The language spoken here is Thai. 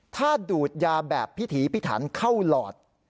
ถ้าดูดยาแบบพิถีพิถันเข้าหลอด